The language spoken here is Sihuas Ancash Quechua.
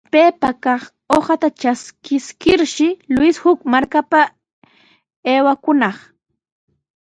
Paypaq kaq uqata traskiskirshi Luis huk markapa aywakunaq.